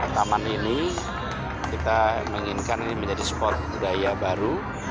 taman ini kita menginginkan ini menjadi spot budaya baru